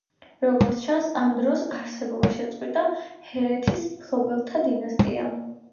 როგორც ჩანს, ამ დროს არსებობა შეწყვიტა ჰერეთის მფლობელთა დინასტიამ.